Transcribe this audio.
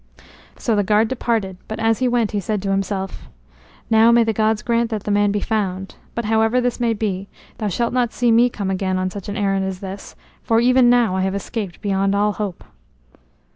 So the guard departed, but as he went he said to himself: "Now may the gods grant that the man be found; but however this may be, thou shalt not see me come again on such errand as this, for even now have I escaped beyond all hope."